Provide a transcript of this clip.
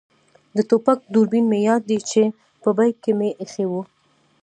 د ټوپک دوربین مې یاد دی چې په بېک کې مې اېښی وو.